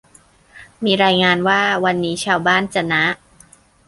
มีรายงานว่า วันนี้ชาวบ้านจะนะ